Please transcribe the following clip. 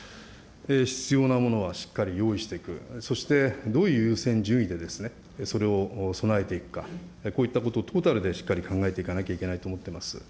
必要なものはしっかり用意していく、そしてどういう優先順位でそれを備えていくか、こういったことをトータルでしっかり考えていかなきゃいけないと思っております。